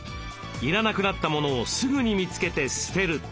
要らなくなったモノをすぐに見つけて捨てる。